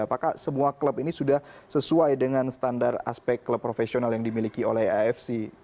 apakah semua klub ini sudah sesuai dengan standar aspek klub profesional yang dimiliki oleh afc